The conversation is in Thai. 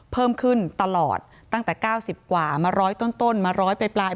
เพิ่มขึ้นตลอดตั้งแต่๙๐กว่ามาร้อยต้นมาร้อยไปปลาย